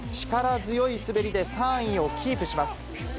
力強い滑りで３位をキープします。